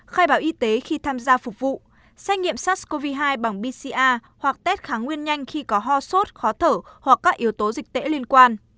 khai báo y tế khi tham gia phục vụ xét nghiệm sars cov hai bằng bca hoặc test kháng nguyên nhanh khi có ho sốt khó thở hoặc các yếu tố dịch tễ liên quan